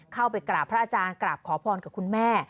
เข้าไปกราบพระอาจารย์กราบขอพรกับคุณแม่